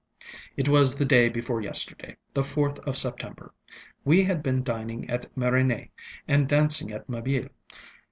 ŌĆ£It was the day before yesterday, the 4th of September. We had been dining at Marigny, and dancing at Mabille.